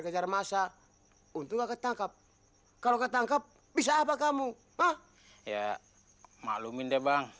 sekarang kita cari masjid